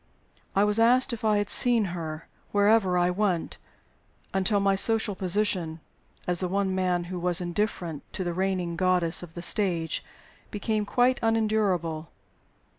I was asked if I had seen her, wherever I went, until my social position, as the one man who was indifferent to the reigning goddess of the stage, became quite unendurable.